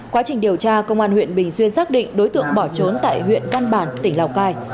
quá trình điều tra công an huyện bình xuyên xác định đối tượng bỏ trốn tại huyện văn bản tỉnh lào cai